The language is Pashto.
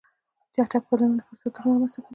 چټک بدلونونه فرصتونه رامنځته کوي.